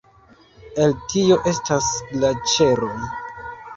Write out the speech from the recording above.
El tio estas glaĉeroj.